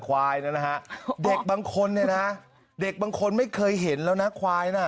ควายนะฮะเด็กบางคนเนี่ยนะเด็กบางคนไม่เคยเห็นแล้วนะควายน่ะ